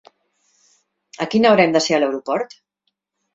A quina hora hem de ser a l'aeroport?